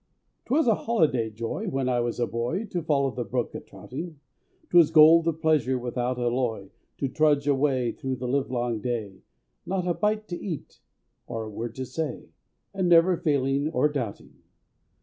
'Twas a holiday joy when I was a boy, To follow the brook a trouting, 'Twas gold of pleasure without alloy, To trudge away through the livelong day— Not a bite to eat, or a word to say, And never a failing or doubting.